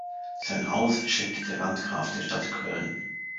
Sein Haus schenkte der Landgraf der Stadt Köln.